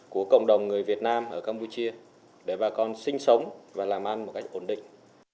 của cộng đồng người việt nam ở campuchia để bà con sinh sống và làm ăn một cách ổn định